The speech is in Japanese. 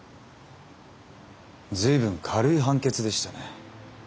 随分軽い判決でしたね。